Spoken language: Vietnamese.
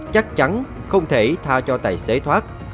chắc chắn không thể tha cho tài xế thoát